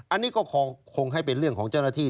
อันนี้ก็คงให้เป็นเรื่องของเจ้าหน้าที่